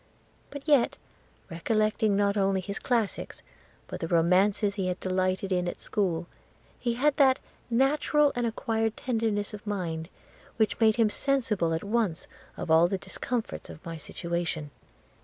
But yet, recollecting not only his classics, but the romances he had delighted in at school, he had that natural and acquired tenderness of mind which made him sensible at once of all the discomforts of my situation.